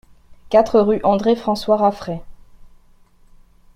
quatre rue André-François Raffray